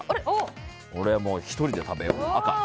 俺、もう１人で食べよう。